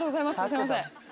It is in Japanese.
すいません。